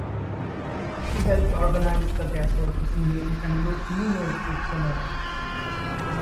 She helped organise the Gasworkers' Union and wrote numerous books and articles.